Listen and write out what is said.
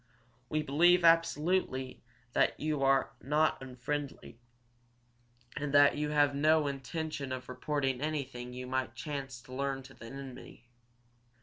We believe absolutely that you are not unfriendly, and that you have no intention of reporting anything you might chance to learn to an enemy.